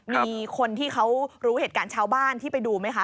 มีคนที่เขารู้เหตุการณ์ชาวบ้านที่ไปดูไหมคะ